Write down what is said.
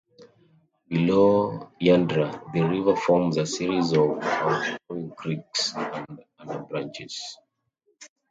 Below Wyandra the river forms a series of outflowing creeks and anabranches.